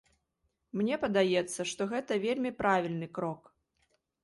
Мне падаецца, што гэта вельмі правільны крок.